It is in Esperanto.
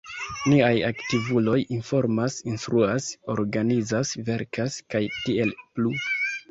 Niaj aktivuloj informas, instruas, organizas, verkas, kaj tiel plu.